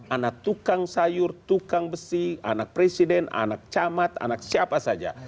anak tukang sayur tukang besi anak presiden anak camat anak siapa saja